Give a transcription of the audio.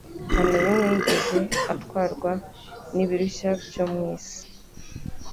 Nta na rimwe yigeze atwarwa n'ibirushya byo mu isi